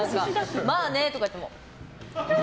まあねとか言われても。